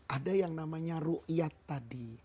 ada yang namanya ru'iyat tadi